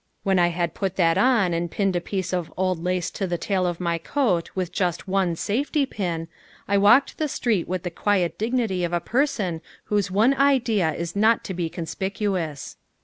When I had put that on and pinned a piece of old lace to the tail of my coat with just one safety pin, I walked the street with the quiet dignity of a person whose one idea is not to be conspicuous.